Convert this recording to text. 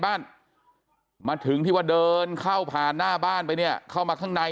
บ้านมาถึงที่ว่าเดินเข้าผ่านหน้าบ้านไปเนี่ยเข้ามาข้างใน